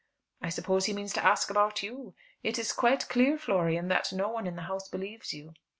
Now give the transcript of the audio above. "I suppose he means to ask about you. It is quite clear, Florian, that no one in the house believes you."